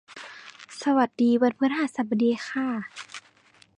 สวัสดีวันพฤหัสบดีค่ะ